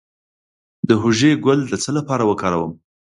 د هوږې ګل د څه لپاره وکاروم؟